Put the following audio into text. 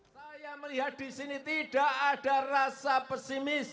saya melihat disini tidak ada rasa pesimis